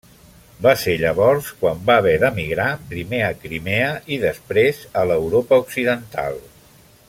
Va ser llavors quan va haver d'emigrar primer a Crimea i després a l'Europa occidental.